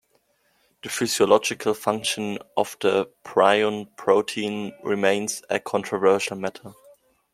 The physiological function of the prion protein remains a controversial matter.